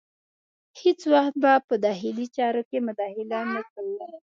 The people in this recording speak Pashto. هیڅ وخت به په داخلي چارو کې مداخله نه کوو.